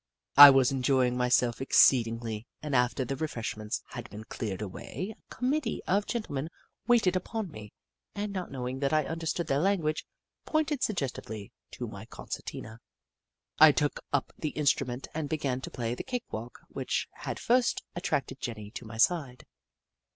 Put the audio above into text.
I was enjoying myself exceedingly, and after the refreshments had been cleared away a com mittee of the gentlemen waited upon me, and, not knowing that I understood their language, pointed suggestively to my concertina, I took up the instrument and began to play the cake walk which had first attracted Jenny to my side.